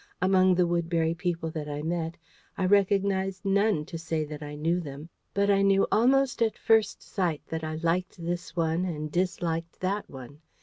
Among the Woodbury people that I met, I recognised none to say that I knew them; but I knew almost at first sight that I liked this one and disliked that one.